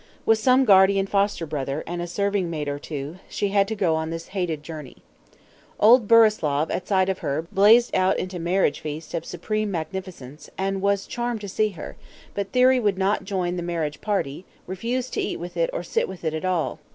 With some guardian foster brother, and a serving maid or two, she had to go on this hated journey. Old Burislav, at sight of her, blazed out into marriage feast of supreme magnificence, and was charmed to see her; but Thyri would not join the marriage party; refused to eat with it or sit with it at all.